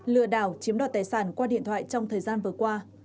lừa đảo chiếm đoạt tài sản qua điện thoại trong thời gian vừa qua